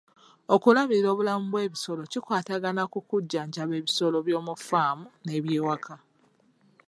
Okulabirira obulamu bw'ebisolo kikwatagana ku kujjanjaba ebisolo by'omu faamu n'ebyewaka.